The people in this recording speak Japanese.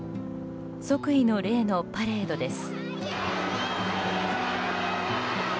即位の礼のパレードです。